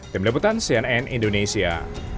tim deputan cnn indonesia